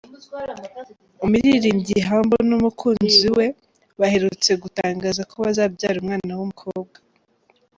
Umuririmbyi Humble n’umukunzi we baherutse gutangaza ko bazabyara umwana w’umukobwa.